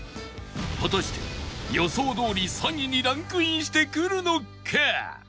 果たして予想どおり３位にランクインしてくるのか？